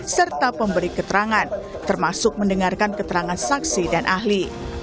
serta pemberi keterangan termasuk mendengarkan keterangan saksi dan ahli